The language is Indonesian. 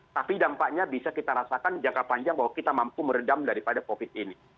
tapi dampaknya bisa kita rasakan jangka panjang bahwa kita mampu meredam daripada covid ini